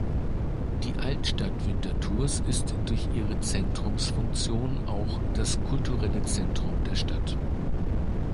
Die Altstadt Winterthurs ist durch ihre Zentrumsfunktion auch das kulturelle Zentrum der Stadt.